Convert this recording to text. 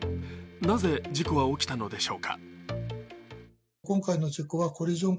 なぜ事故は起きたのでしょうか。